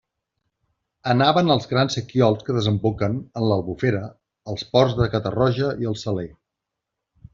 Anaven als grans sequiols que desemboquen en l'Albufera, als ports de Catarroja i el Saler.